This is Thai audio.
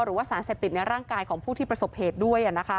หรือว่าสารเสพติดในร่างกายของผู้ที่ประสบเหตุด้วย